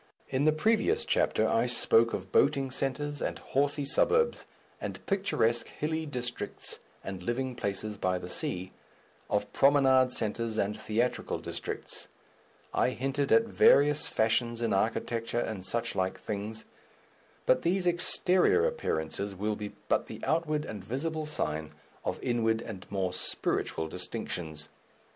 In the previous chapter I spoke of boating centres and horsey suburbs, and picturesque hilly districts and living places by the sea, of promenade centres and theatrical districts; I hinted at various fashions in architecture, and suchlike things, but these exterior appearances will be but the outward and visible sign of inward and more spiritual distinctions.